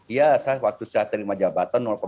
iya waktu saya terima jabatan empat puluh satu